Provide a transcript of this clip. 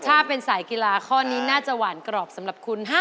ถ้าเป็นสายกีฬาข้อนี้น่าจะหวานกรอบสำหรับคุณ๕๐